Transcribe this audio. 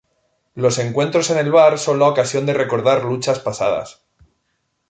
Los encuentros en el bar son la ocasión de recordar luchas pasadas.